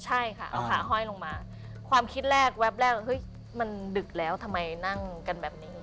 ใช่ค่ะเอาขาห้อยลงมาความคิดแรกแวบแรกเฮ้ยมันดึกแล้วทำไมนั่งกันแบบนี้